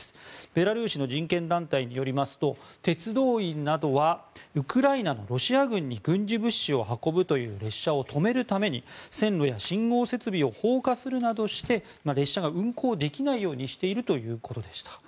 ベラルーシの人権団体によりますと鉄道員などはウクライナのロシア軍に軍事物資を運ぶという列車を止めるために線路や信号設備を放火するなどして列車が運行できないようにしているということでした。